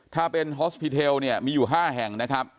ถ้าเป็นฮอสพิเทลเนี่ยมีอยู่๕แห่งนะครับ